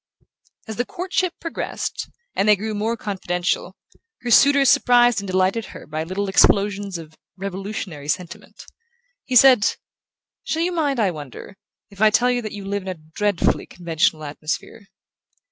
As the courtship progressed, and they grew more confidential, her suitor surprised and delighted her by little explosions of revolutionary sentiment. He said: "Shall you mind, I wonder, if I tell you that you live in a dread fully conventional atmosphere?"